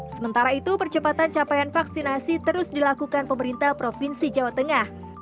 sementara itu percepatan capaian vaksinasi terus dilakukan pemerintah provinsi jawa tengah